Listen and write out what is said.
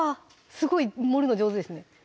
すごい盛るの上手ですね